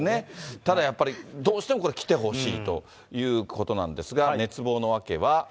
ただやっぱり、どうしてもこれ、来てほしいということなんですが、熱望の訳は。